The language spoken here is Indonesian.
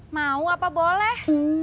mau apa boleh